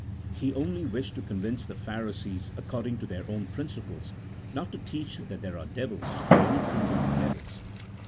He only wished to convince the Pharisees according to their own principles, not to teach that there are devils, or any kingdom of devils.